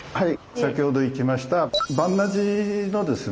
先ほど行きました鑁阿寺のですね